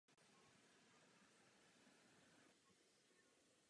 Mimo Spojené státy se show vysílá stále v televizi.